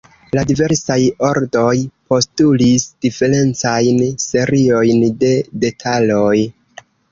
La diversaj ordoj postulis diferencajn seriojn de detaloj.